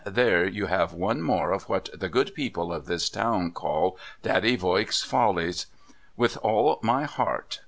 There you have one more of what the good people of this town call, " Daddy Voigt's follies." With all my heart